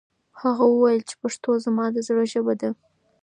هغه وویل چې پښتو زما د زړه ژبه ده.